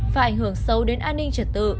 và ảnh hưởng sâu đến an ninh trật tự